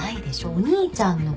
お兄ちゃんの事。